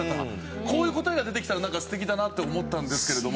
こういう答えが出てきたらなんか素敵だなって思ったんですけれども。